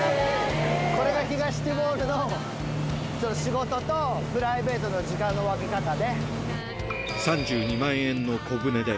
これが東ティモールの仕事とプライベートの時間の分け方ね。